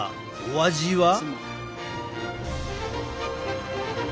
お味は？